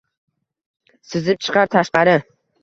sizib chiqar tashqari